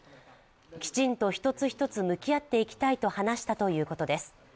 きちんと一つ一つ向き合っていきたいと話したということです。